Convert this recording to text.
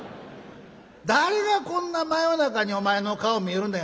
誰がこんな真夜中にお前の顔見るねん。